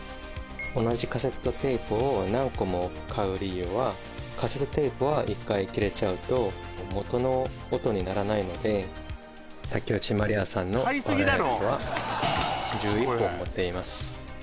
同じカセットテープを何個も買う理由はカセットテープは１回切れちゃうと元の音にならないので竹内まりやさんの「ヴァラエティ」は１１本持っています